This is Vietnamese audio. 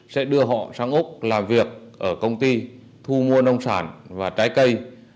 sẽ đưa họ sang úc làm việc ở công ty thu mua nông sản và trái cây